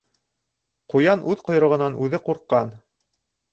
Ҡуян үҙ ҡойроғонан үҙе ҡурҡҡан.